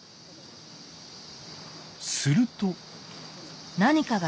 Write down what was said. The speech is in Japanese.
すると。